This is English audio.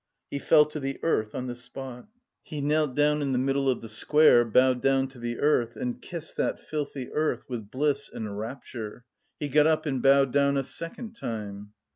He fell to the earth on the spot.... He knelt down in the middle of the square, bowed down to the earth, and kissed that filthy earth with bliss and rapture. He got up and bowed down a second time.